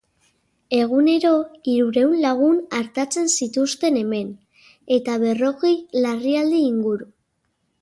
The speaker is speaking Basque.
Egunero hirurehun lagun artatzen zituzten hemen, eta berrogei larrialdi inguru.